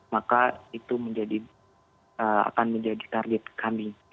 maka itu akan menjadi target kami